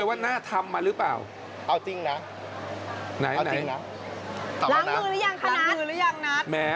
เอาจริงแล้วต่อมานัดหลางมือหรือยังคะนัท